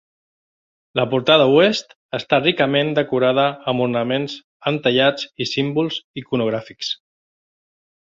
La portada oest està ricament decorada amb ornaments entallats i símbols iconogràfics.